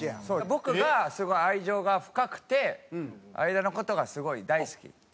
僕がすごい愛情が深くて相田の事がすごい大好き。